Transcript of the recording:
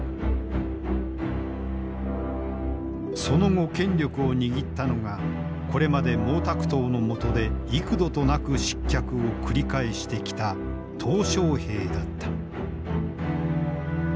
その後権力を握ったのがこれまで毛沢東の下で幾度となく失脚を繰り返してきた小平だった。